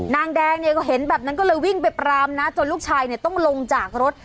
นางแดงเนี่ยก็เห็นแบบนั้นก็เลยวิ่งไปปรามนะจนลูกชายเนี่ยต้องลงจากรถ